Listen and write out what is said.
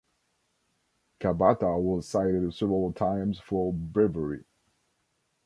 Kabata was cited several times for bravery.